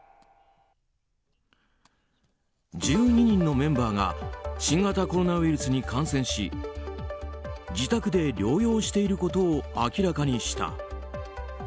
１２人のメンバーが新型コロナウイルスに感染し自宅で療養していることを明らかにした。